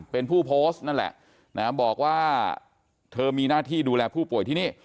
เป็นผู้โพสต์นั่นแหละนะบอกว่าเธอมีหน้าที่ดูแลผู้ป่วยที่นี่